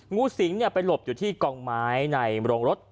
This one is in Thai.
งูสิงไปหลบอยู่ที่กองไม้ในโรงรถ